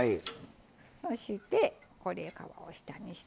そして皮を下にして。